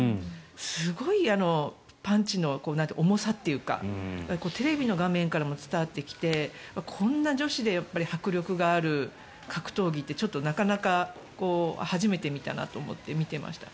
すごいパンチの重さっていうかテレビの画面からも伝わってきてこんな女子で迫力がある格闘技ってちょっとなかなか初めて見たなと思って見てました。